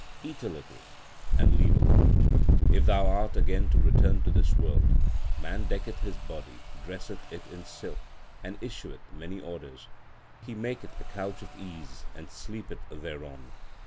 Eat a little and leave a little, If thou art again to return to this world. 1 Man decketh his body, dresseth it in silk, And issueth many orders ; He maketh a couch of ease and sleepeth thereon.